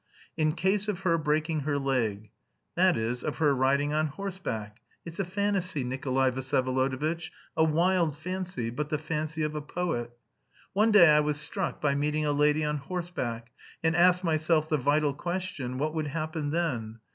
"'In case of her breaking her leg.' That is, of her riding on horseback. It's a fantasy, Nikolay Vsyevolodovitch, a wild fancy, but the fancy of a poet. One day I was struck by meeting a lady on horseback, and asked myself the vital question, 'What would happen then?'